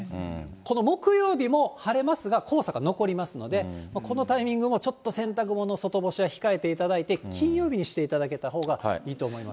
この木曜日も晴れますが、黄砂が残りますので、このタイミングも、ちょっと洗濯物、外干しは控えていただいて、金曜日にしていただけたほうがいいと思います。